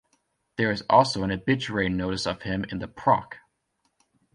There is also an obituary notice of him in the Proc.